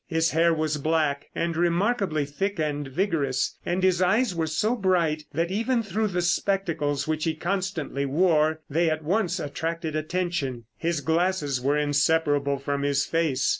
His hair was black, and remarkably thick and vigorous, and his eyes were so bright that even through the spectacles, which he constantly wore, they at once attracted attention. His glasses were inseparable from his face.